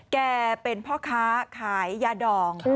แกเป็นเพาะค้าขายหย่าดอง